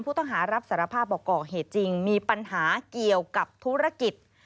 ผู้ต้องหารับสารภาพบอกก่อเหตุจริงมีปัญหาเกี่ยวกับธุรกิจ